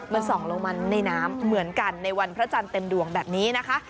มันส่องลงมาในน้ำเหมือนกันในวันพระจันทร์เต็มดวงแบบนี้นะคะ